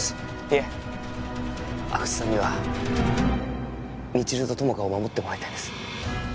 いえ阿久津さんには未知留と友果を守ってもらいたいんです